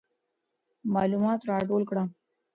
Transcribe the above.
معلومات راټول کړه.